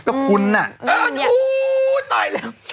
ก็คุณน่ะเออหนูตายแล้ว